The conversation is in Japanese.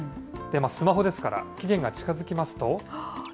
スマホですから、期限が近付きますと。